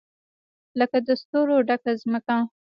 لکه د ستورو ډکه مځکه